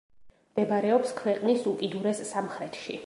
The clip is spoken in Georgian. მდებარეობს ქვეყნის უკიდურეს სამხრეთში.